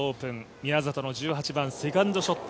宮里の１８番セカンドショット。